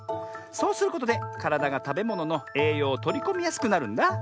そうすることでからだがたべもののえいようをとりこみやすくなるんだあ。